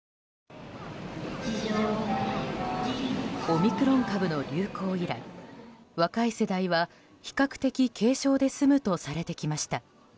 オミクロン株の流行以来若い世代は比較的軽症で済むとされてきました。